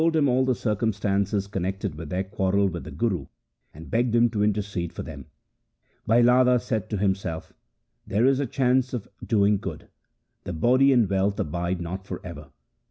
They told him all the circumstances connected with their quarrel with the Guru, and begged him to intercede for them. Bhai Ladha said to himself, ' Here is a chance of doing good. The body and wealth abide not for ever.